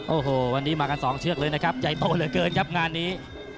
โอ้โหวันนี้มากันสองเชือกเลยนะครับใหญ่โตเหลือเกินครับงานนี้